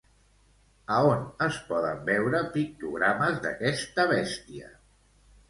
A on es poden veure pictogrames d'aquesta bèstia?